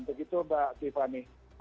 begitu mbak tiffany